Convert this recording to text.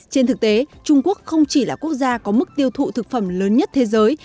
trên thực tế trung quốc không chỉ là quốc gia có mức tiêu thụ thực phẩm lớn nhất thế giới